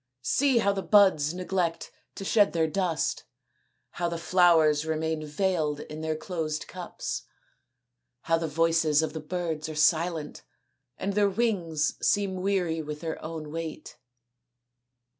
See how the buds neglect to shed their dust ; how the flowers remain veiled in their closed cups ; how the voices of the birds are silent and their wings seem weary with their own weight."